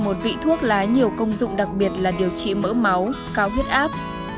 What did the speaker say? nó là một vị thuốc lá nhiều công dụng đặc biệt là điều trị mỡ máu cao huyết áp